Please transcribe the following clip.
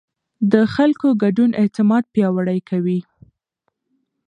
د خلکو ګډون اعتماد پیاوړی کوي